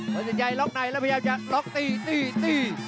สินชัยล็อกในแล้วพยายามจะล็อกตีตี